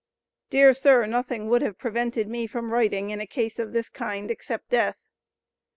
Dear sir, nothing would have prevented me from writing, in a case of this kind, except death.